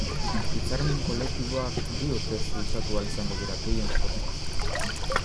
Hitzarmen koletiboak bi urtez luzatu ahal izango dira, gehien jota.